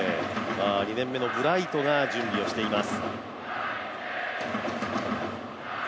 ２年目のブライトが準備をしています。